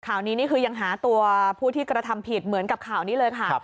ข่าวนี้นี่คือยังหาตัวผู้ที่กระทำผิดเหมือนกับข่าวนี้เลยค่ะ